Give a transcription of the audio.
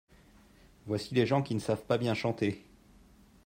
Voici les gens qui ne savent pas bien chanter.